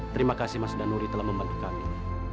terima kasih mas danuri telah membantu kami